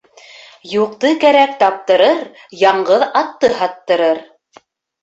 Юҡты кәрәк таптырыр, яңғыҙ атты һаттырыр.